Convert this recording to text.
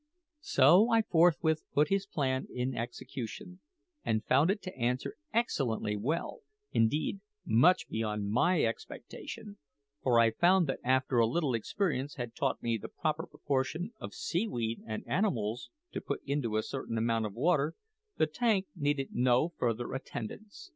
So I forthwith put his plan in execution, and found it to answer excellently well indeed, much beyond my expectation; for I found that after a little experience had taught me the proper proportion of seaweed and animals to put into a certain amount of water, the tank needed no further attendance.